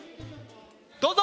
どうぞ！